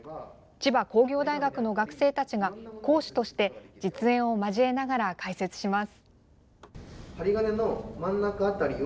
千葉工業大学の学生たちが講師として実演を交えながら解説します。